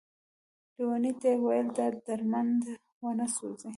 ليوني ته يې ويل دا درمند ونه سوځې ،